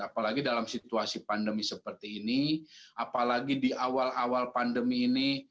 apalagi dalam situasi pandemi seperti ini apalagi di awal awal pandemi ini